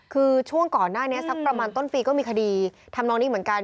คือช่วงก่อนหน้านี้สักประมาณต้นปีก็มีคดีทำน้องนี้เหมือนกัน